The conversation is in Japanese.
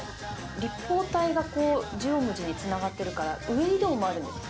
立方体がこう、縦横無尽につながってるから、上移動もあるんですよね。